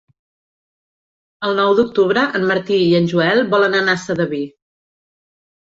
El nou d'octubre en Martí i en Joel volen anar a Sedaví.